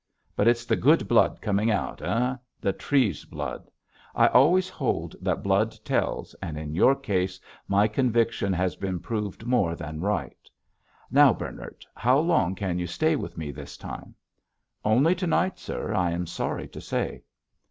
But it's the good blood coming out, eh—the Treves blood. I always hold that blood tells, and in your case my conviction has been proved more than right. Now, Bernard, how long can you stay with me this time?" "Only to night, sir, I am sorry to say."